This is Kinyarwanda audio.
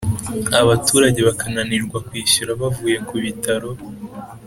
,abturage bakananirwa kwishyura bavuye ku itabaro